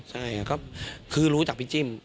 ใช่ก็คือรู้จากพี่จิ้ม